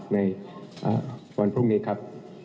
ในวันพรุ่งนี้ครับ